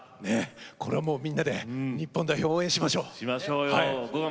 これは、もうみんなで日本代表を応援しましょう。